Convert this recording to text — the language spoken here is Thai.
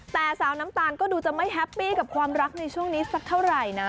แต่สาวน้ำตาลก็ดูจะไม่แฮปปี้กับความรักในช่วงนี้สักเท่าไหร่นะ